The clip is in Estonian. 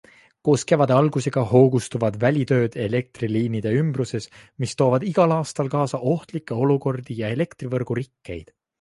Koos kevade algusega hoogustuvad välitööd elektriliinide ümbruses, mis toovad igal aastal kaasa ohtlikke olukordi ja elektrivõrgu rikkeid.